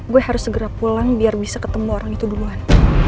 gue harus segera pulang biar bisa ketemu orang itu duluan